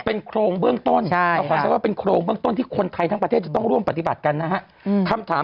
เป็นโครงเบื้องต้นเราขอใช้ว่าเป็นโครงเบื้องต้นที่คนไทยทั้งประเทศจะต้องร่วมปฏิบัติกันนะฮะคำถาม